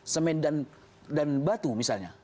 semen dan batu misalnya